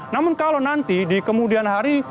namun kalau nanti di kemudian hari